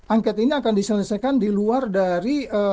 angket ini akan diselesaikan di luar dari